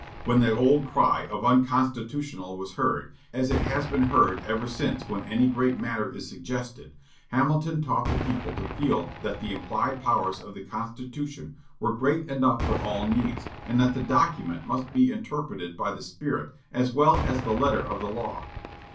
When the old cry of "unconstitutional!" was heard, as it has been heard ever since when any great matter is suggested, Hamilton taught the people to feel that the implied powers of the Constitution were great enough for all needs, and that the document must be interpreted by the spirit as well as the letter of the law.